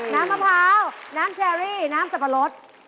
น้ำมะพร้าวน้ำเชอรี่น้ำสับปะรด